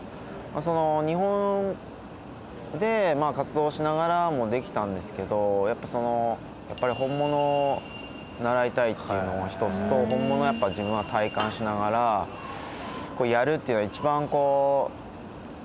日本で活動しながらもできたんですけどやっぱその本物を習いたいっていうのが一つと本物をやっぱ自分は体感しながらやるっていうのが一番。